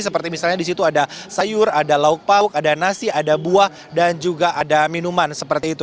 seperti misalnya di situ ada sayur ada lauk pauk ada nasi ada buah dan juga ada minuman seperti itu